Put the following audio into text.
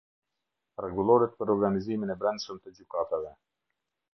Rregulloret për Organizimin e Brendshëm të Gjykatave.